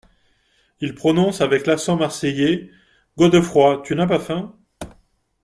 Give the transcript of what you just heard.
Il prononce avec l’accent marseillais. "Godefroid, tu n’as pas faim ?